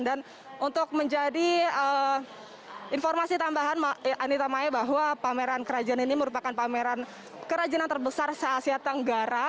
untuk menjadi informasi tambahan anita maya bahwa pameran kerajinan ini merupakan pameran kerajinan terbesar se asia tenggara